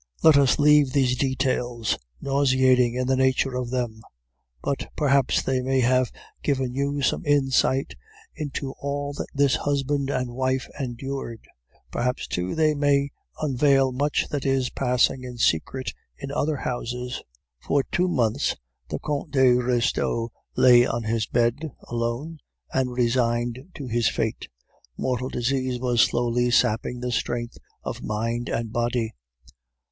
Let us leave these details, nauseating in the nature of them; but perhaps they may have given you some insight into all that this husband and wife endured; perhaps too they may unveil much that is passing in secret in other houses. "For two months the Comte de Restaud lay on his bed, alone, and resigned to his fate. Mortal disease was slowly sapping the strength of mind and body.